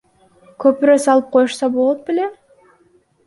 Көпүрө салып коюшса болот беле?